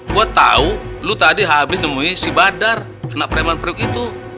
gua tau lu tadi habis nemuin si badar anak preman priuk itu